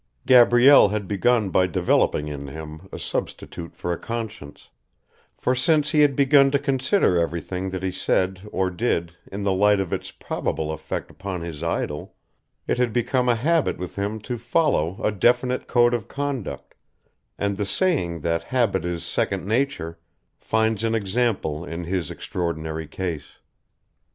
Gabrielle had begun by developing in him a substitute for a conscience; for since he had begun to consider everything that he said or did in the light of its probable effect upon his idol, it had become a habit with him to follow a definite code of conduct, and the saying that habit is second nature finds an example in his extraordinary case.